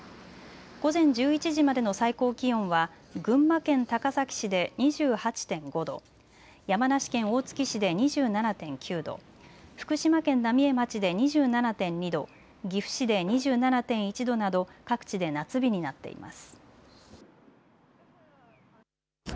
午前１１時までの最高気温は群馬県高崎市で２８．５度、山梨県大月市で２７．９度、福島県浪江町で２７．２度、岐阜市で２７．１度など各地で夏日になっています。